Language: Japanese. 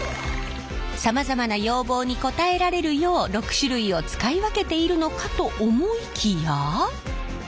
さまざまな要望に応えられるよう６種類を使い分けているのかと思いきや。